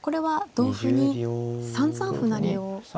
同歩に３三歩成か